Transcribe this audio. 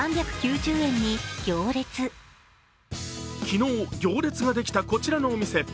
昨日行列ができたこちらのお店。